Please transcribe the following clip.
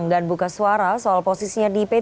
dan buka suara soal posisinya di p tiga